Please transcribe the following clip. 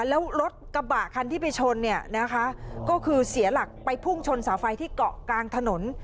แล้วรถกระบะคันที่ไปชนเนี่ยนะคะก็คือเสียหลักไปพุ่งชนเสาไฟที่เกาะกลางถนน